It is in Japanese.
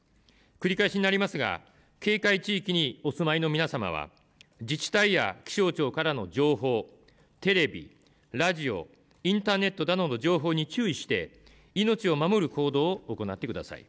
繰り返しになりますが、警戒地域にお住まいの皆様は自治体や気象庁からの情報、テレビ、ラジオ情報に注意して、命を守る行動を行ってください。